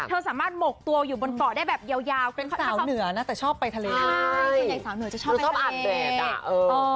สามารถหมกตัวอยู่บนเกาะได้แบบยาวเป็นสาวเหนือนะแต่ชอบไปทะเลใช่ส่วนใหญ่สาวเหนือจะชอบชอบอ่านแบบอ่ะเออ